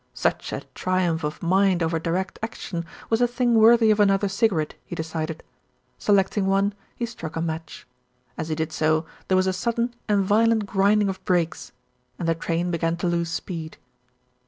Such a triumph of mind over Direct Action was a thing worthy of another cigarette, he decided. Select ing one he struck a match. As he did so, there was a sudden and violent grinding of brakes, and the train began to lose speed.